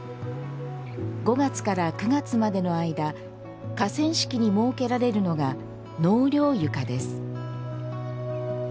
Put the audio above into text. ５月から９月までの間河川敷に設けられるのが納涼床です。